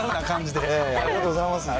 ありがとうございます。